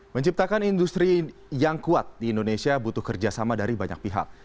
menciptakan industri yang kuat di indonesia butuh kerjasama dari banyak pihak